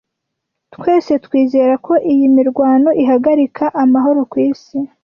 Twese twizera ko iyi mirwano ihagarika amahoro ku isi.